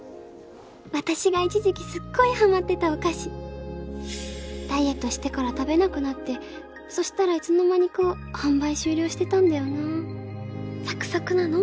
私が一時期すっごいハマってたお菓子ダイエットしてから食べなくなってそしたらいつの間にか販売終了してたんだよなあ「サクサクなの？